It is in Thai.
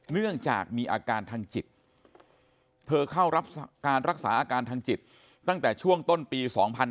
เนื่องจากมีอาการทางจิตเธอเข้ารับการรักษาอาการทางจิตตั้งแต่ช่วงต้นปี๒๕๕๙